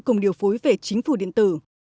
cùng điều phối về chính phủ điện tử